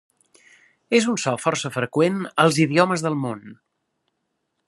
És un so força freqüent als idiomes del món.